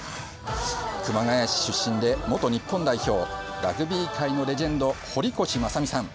熊谷市出身で元日本代表ラグビー界のレジェンド堀越正己さん。